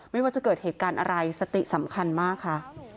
ไม่ว่าจะเกิดเหตุการณ์อะไรสติสำคัญมากค่ะ